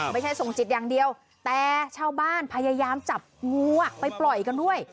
ไม่ใช่ส่งจิตอย่างเดียวแต่ชาวบ้านพยายามจับงูไปปล่อยกันด้วย